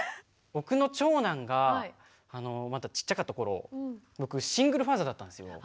僕の長男がまだちっちゃかった頃僕シングルファーザーだったんですよ。